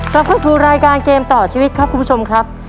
กลับเข้าสู่รายการเกมต่อชีวิตครับคุณผู้ชมครับ